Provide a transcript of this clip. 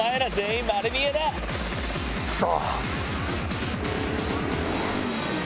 クソ！